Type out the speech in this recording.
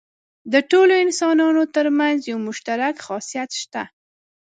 د ټولو انسانانو تر منځ یو مشترک خاصیت شته.